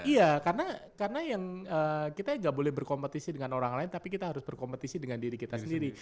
iya karena yang kita nggak boleh berkompetisi dengan orang lain tapi kita harus berkompetisi dengan diri kita sendiri